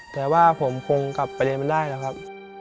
แต่ว่าผมคงกลับไปเรียนมันได้แล้วครับ